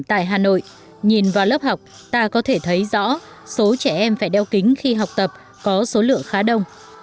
tại hà nội nhìn vào lớp học ta có thể thấy rõ số trẻ em phải đeo kính khi học tập có số lượng khá đông